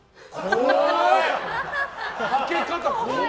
怖い。